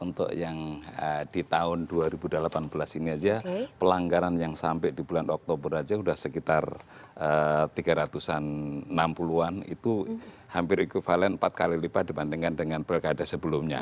untuk yang di tahun dua ribu delapan belas ini saja pelanggaran yang sampai di bulan oktober aja sudah sekitar tiga ratus enam puluh an itu hampir equivalen empat kali lipat dibandingkan dengan pilkada sebelumnya